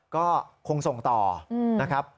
ก็คงส่งต่อนะครับ